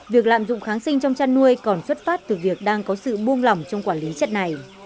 việc lạm dụng kháng sinh trong chăn nuôi còn xuất phát từ việc đang có sự buông lỏng trong quản lý chất này